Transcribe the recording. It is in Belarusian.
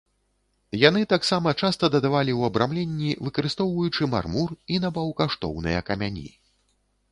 Яны таксама часта дадавалі ў абрамленні, выкарыстоўваючы мармур і напаўкаштоўныя камяні.